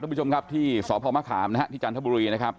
ผู้ชมครับที่สพมะขามนะฮะที่จันทบุรีนะครับ